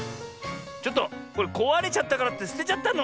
ちょっとこれこわれちゃったからってすてちゃったの？